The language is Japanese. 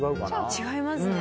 違いますね。